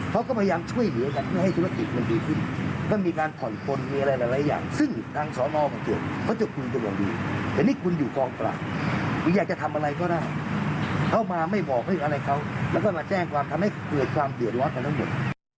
เข้ามาไม่บอกให้อะไรเขาแล้วก็มาแจ้งความทำให้เกิดความเดือดร้อนกันทั้งหมด